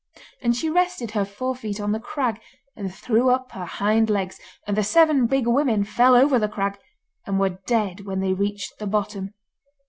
And she rested her fore feet on the crag, and threw up her hind legs, and the Seven Big Women fell over the crag, and were dead when they reached the bottom.